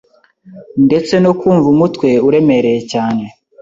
ndetse no kumva umutwe uremereye cyane